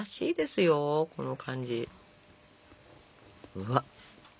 うわっ。